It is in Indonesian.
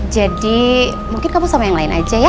jadi mungkin kamu sama yang lain aja ya